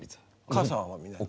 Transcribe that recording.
母さんは見ないの？